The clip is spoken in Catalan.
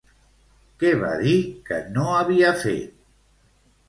Què va dir que no havia fet?